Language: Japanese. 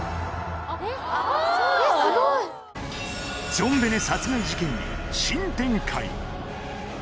ジョンベネ殺害事件に新展開